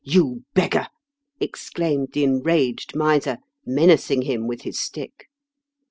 you beggar!" exclaimed the enraged miser, menacing him with his stick.